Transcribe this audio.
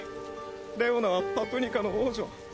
レオナはパプニカの王女。